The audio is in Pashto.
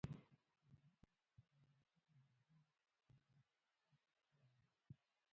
سمندر نه شتون د افغانستان د جغرافیایي موقیعت پایله ده.